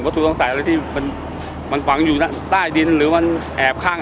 วัตถุทั้งใส่เลยที่มันมันห่างอยู่ใต้ดินหรือมันแอบค่าง